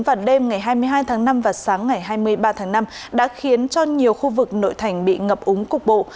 vào đêm ngày hai mươi hai tháng năm và sáng ngày hai mươi ba tháng năm đã khiến cho nhiều khu vực nội thành bị ngập úng cục bộ